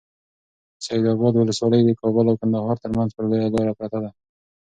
سید اباد ولسوالي د کابل او کندهار ترمنځ پر لویه لاره پرته ده.